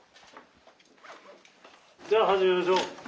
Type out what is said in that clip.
じゃあ始めましょう。